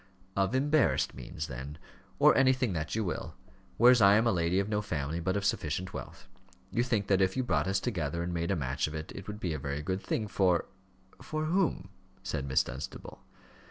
"Of embarrassed means, then, or anything that you will; whereas I am a lady of no family, but of sufficient wealth. You think that if you brought us together and made a match of it, it would be a very good thing for for whom?" said Miss Dunstable.